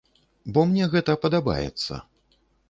Бо мне гэта падабаецца.